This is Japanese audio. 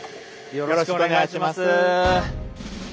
よろしくお願いします。